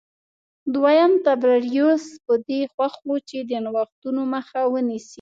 دویم تبریوس په دې خوښ و چې د نوښتونو مخه نیسي